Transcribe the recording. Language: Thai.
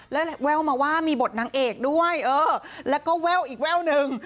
แล้วแววมาว่ามีบทนางเอกด้วยเออแล้วก็แว่วอีกแว่วหนึ่ง